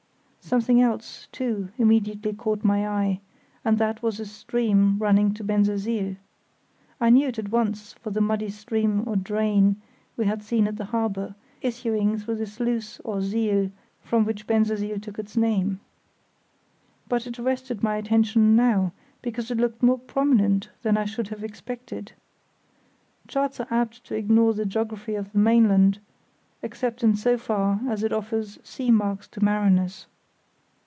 Something else, too, immediately caught my eye, and that was a stream running to Bensersiel. I knew it at once for the muddy stream or drain we had seen at the harbour, issuing through the sluice or siel from which Bensersiel took its name. But it arrested my attention now because it looked more prominent than I should have expected. Charts are apt to ignore the geography of the mainland, except in so far as it offers sea marks to mariners.